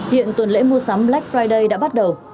hiện tuần lễ mua sắm black friday đã bắt đầu